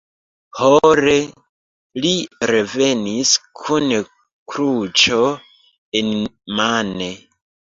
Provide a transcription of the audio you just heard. Hore, li revenis kun kruĉo enmane.